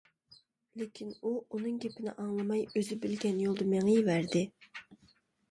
لېكىن ئۇ ئۇنىڭ گېپىنى ئاڭلىماي ئۆزى بىلگەن يولدا مېڭىۋەردى.